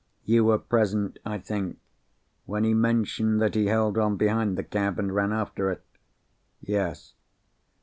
You were present, I think, when he mentioned that he held on behind the cab, and ran after it?" "Yes."